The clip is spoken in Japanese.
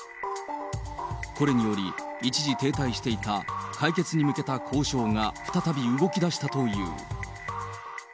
これにより、一時停滞していた解決に向けた交渉が再び動きだしたという。